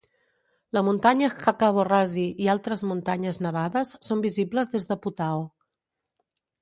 La muntanya Hkakabo Razi i altres muntanyes nevades són visibles des de Putao.